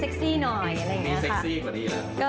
มีเซ็กซี่กว่านี้แล้ว